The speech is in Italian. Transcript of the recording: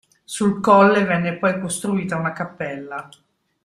Sul colle venne poi costruita una cappella.